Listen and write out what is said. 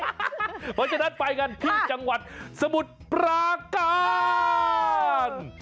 เพราะฉะนั้นไปกันที่จังหวัดสมุทรปราการ